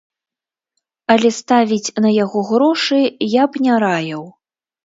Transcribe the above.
Але ставіць на яго грошы я б не раіў.